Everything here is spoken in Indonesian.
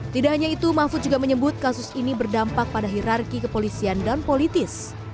tidak hanya itu mahfud juga menyebut kasus ini berdampak pada hirarki kepolisian dan politis